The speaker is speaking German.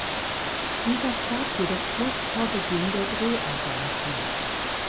Dieser starb jedoch kurz vor Beginn der Dreharbeiten.